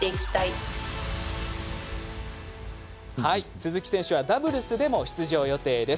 鈴木選手はダブルスでも出場予定です。